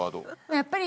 やっぱり。